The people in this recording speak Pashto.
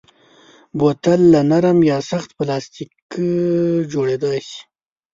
بوتل له نرم یا سخت پلاستیک جوړېدای شي.